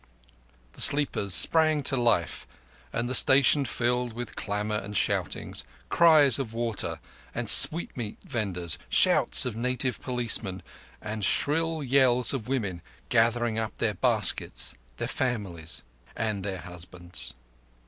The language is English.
The sleepers sprang to life, and the station filled with clamour and shoutings, cries of water and sweetmeat vendors, shouts of native policemen, and shrill yells of women gathering up their baskets, their families, and their husbands.